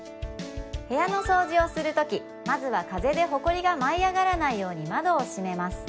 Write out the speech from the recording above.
部屋の掃除をするときまずは風でホコリが舞い上がらないように窓を閉めます